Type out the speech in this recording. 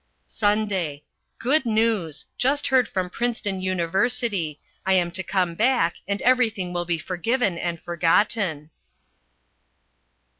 SUNDAY. Good news! Just heard from Princeton University. I am to come back, and everything will be forgiven and forgotten.